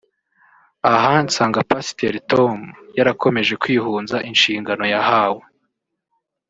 Aha nsanga Pasiteri Tom yarakomeje kwihunza inshingo yahawe